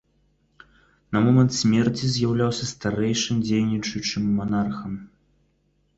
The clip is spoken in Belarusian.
На момант смерці з'яўляўся старэйшым дзейнічаючым манархам.